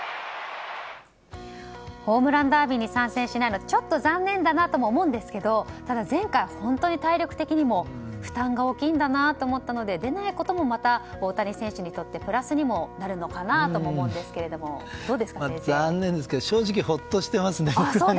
ホームランダービーに参戦しないのはちょっと残念だなとは思うんですけどただ前回本当に体力的にも負担が大きいんだなと思ったので出ないことも大谷選手にとってプラスになると思いますが残念ですけど正直ほっとしていますね。